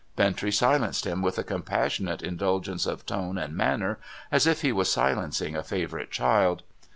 Bintrey silenced him with a compassionate indulgence of tone and manner, as if he was silencing a favourite child.